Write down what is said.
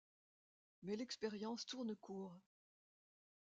Mais l'expérience tourne court.